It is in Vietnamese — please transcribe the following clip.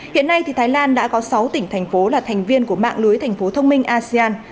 hiện nay thái lan đã có sáu tỉnh thành phố là thành viên của mạng lưới thành phố thông minh asean